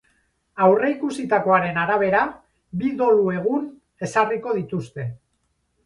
Aurreikusitakoaren arabera, bi dolu egune zarriko dituzte.